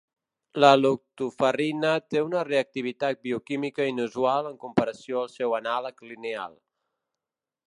La lactoferrina té una reactivitat bioquímica inusual en comparació al seu anàleg lineal.